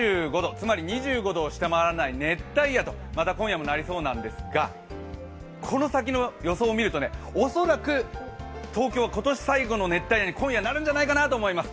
つまり２５度を下回らない熱帯夜と今夜もなりそうなんですが、この先の予想を見ると、恐らく東京は今年最後の熱帯夜に今夜、なるんじゃないかなと思います。